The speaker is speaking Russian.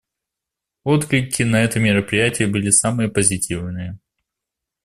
Отклики на это мероприятие были самые позитивные.